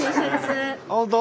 本当？